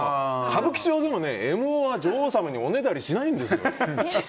歌舞伎町にもＭ男は女王様におねだりしないんですよ。